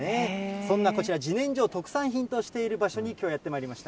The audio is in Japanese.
そんなこちら、じねんじょを特産品としている場所にきょう、やってまいりました。